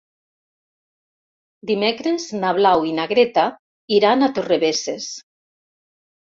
Dimecres na Blau i na Greta iran a Torrebesses.